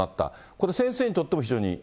これ、先生にとっても非常に。